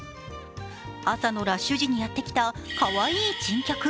朝のラッシュ時にやってきたかわいい珍客。